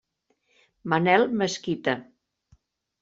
Manel Mesquita.